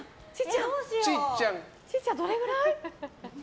ちーちゃん、どれぐらい？